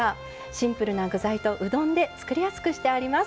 シンプルな具材とうどんで作りやすくしてあります。